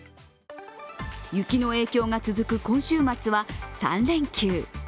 雪の影響が続く今週末は３連休。